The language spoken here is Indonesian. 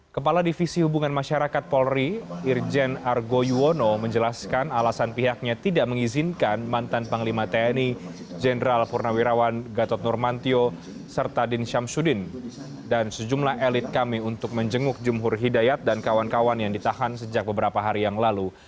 kepala divisi hubungan masyarakat polri irjen argo yuwono menjelaskan alasan pihaknya tidak mengizinkan mantan panglima tni jenderal purnawirawan gatot nurmantio serta din syamsuddin dan sejumlah elit kami untuk menjenguk jumhur hidayat dan kawan kawan yang ditahan sejak beberapa hari yang lalu